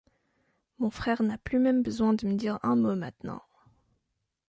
Mon frère n’a plus même besoin de me dire un mot maintenant.